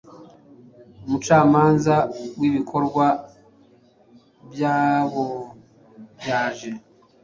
Umucamanza wibikorwa byabobyaje